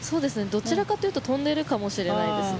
どちらかというと飛んでいるかもしれないですね。